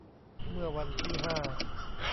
เมื่อวันที่ ห้า